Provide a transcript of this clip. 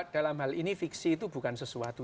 dalam hal ini fiksi itu bukan sesuatu